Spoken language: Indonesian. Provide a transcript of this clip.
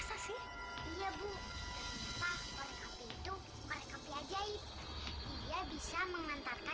sampai jumpa di video selanjutnya